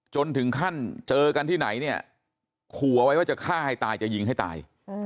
จนถึงขั้นเจอกันที่ไหนเนี่ยขู่เอาไว้ว่าจะฆ่าให้ตายจะยิงให้ตาย